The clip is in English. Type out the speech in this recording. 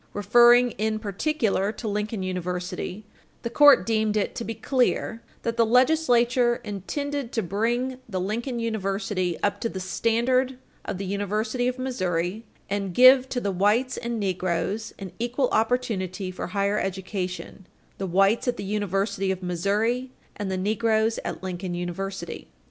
Referring in particular to Lincoln University, the court deemed it to be clear "that the Legislature intended to bring the Lincoln University up to the standard of the University of Missouri, and give to the whites and negroes an equal opportunity for higher education the whites at the University of Missouri, and the negroes at Lincoln University."